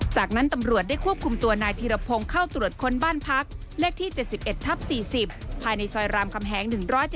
จากนั้นตำรวจได้ควบคุมตัวนายธีรพงศ์เข้าตรวจค้นบ้านพักเลขที่๗๑ทับ๔๐ภายในซอยรามคำแหง๑๗